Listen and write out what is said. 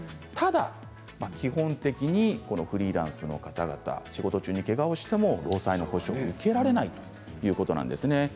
ただ基本的にこのフリーランスの方々仕事中にけがをしても労災の補償を受けられないということなんですね。